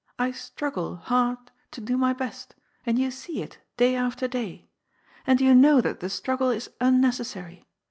I struggle — hard — to do my best, and you see it, day after day. And you know that the struggle is unnecessary.